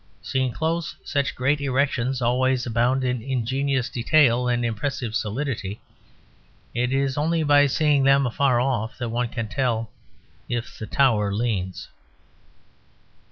Seen close, such great erections always abound in ingenious detail and impressive solidity; it is only by seeing them afar off that one can tell if the Tower leans.